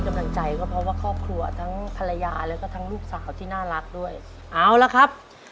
นุ้ยเชิญมาเป็นผู้ช่วยครับ